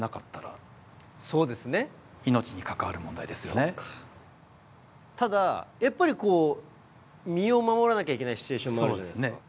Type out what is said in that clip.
じゃあ例えばただやっぱりこう身を守らなきゃいけないシチュエーションもあるじゃないですか。